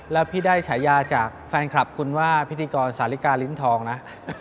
แล้วพี่ได้ฉายาจากแฟนคลับคุณว่าพิธีกรสาลิกาลิ้นทองนะ